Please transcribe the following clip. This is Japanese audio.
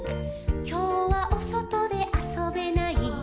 「きょうはおそとであそべない」「」